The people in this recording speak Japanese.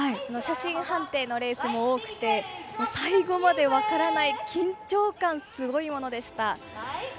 写真判定のレースも多くて最後まで分からない緊張感すごいものでした。